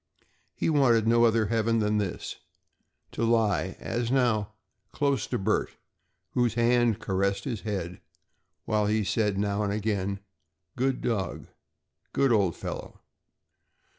He wanted no other heaven than this to lie, as now, close to Bert, whose hand caressed his head while he said now and again: "Good dog"; "Good old fellow!"